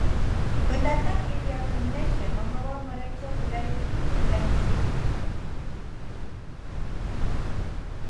Pendatang India ke Malaysia membawa mereka budaya Hindu dan Sikh.